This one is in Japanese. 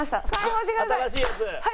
新しいやつ。